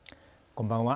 こんばんは。